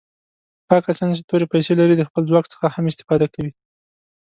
هغه کسان چې تورې پیسي لري د خپل ځواک څخه هم استفاده کوي.